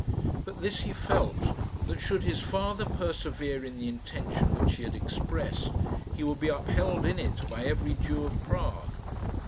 But this he felt, that should his father persevere in the intention which he had expressed, he would be upheld in it by every Jew of Prague.